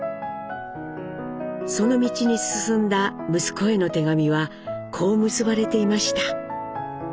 その道に進んだ息子への手紙はこう結ばれていました。